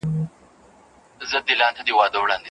ګوره حمزه خولۀ په خولۀ چې نه شې د رقیب سره